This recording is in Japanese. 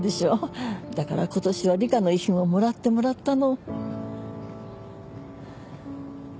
だからことしは里香の遺品をもらってもらったの。